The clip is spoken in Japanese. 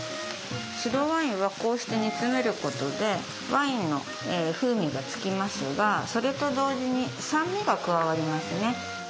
白ワインはこうして煮詰めることでワインの風味がつきますがそれと同時に酸味が加わりますね。